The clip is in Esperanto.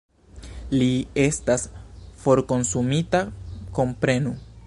Li estas forkonsumita, komprenu!